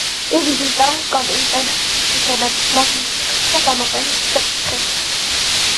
იგი შეისწავლის კომპიუტერების თვისებებს, მათი შექმნის და გამოყენების საკითხებს.